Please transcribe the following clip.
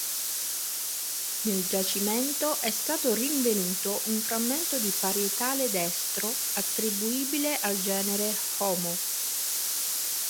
Nel giacimento è stato rinvenuto un frammento di parietale destro attribuibile al genere "Homo".